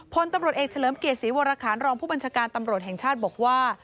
พลตำรวจเอกเฉลิมเกียรติศรีวรคารรองผู้บัญชาการตำรวจแห่งชาติบอกว่า